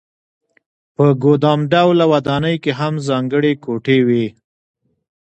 په ګدام ډوله ودانۍ کې هم ځانګړې کوټې وې.